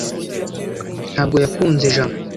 ntabwo yakunze jama